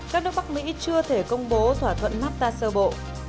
các nước bắc mỹ chưa thể công bố thỏa thuận mafta sơ bộ